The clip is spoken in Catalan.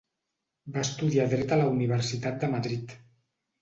Va estudiar Dret a la Universitat de Madrid.